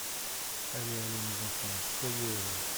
Allez, allez, mes enfants, soyez heureux.